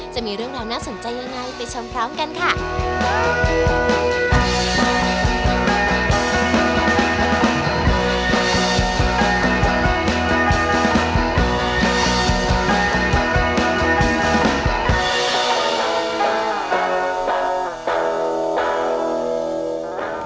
จะมีเรื่องราวน่าสนใจยังไงไปชมพร้อมกันค่ะ